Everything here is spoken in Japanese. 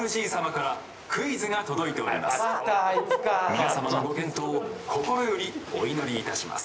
「皆様のご健闘心よりお祈りいたします」。